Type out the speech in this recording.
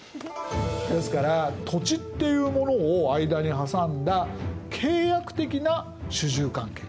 ですから土地っていうものを間に挟んだ契約的な主従関係。